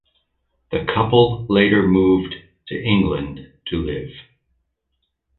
The couple later moved to England to live.